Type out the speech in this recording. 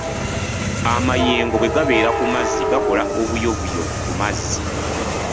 Amayengo bwe gabeera ku mazzi gakola obuyovuyovu ku mazzi.